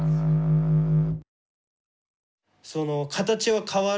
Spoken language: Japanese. その形は変わる。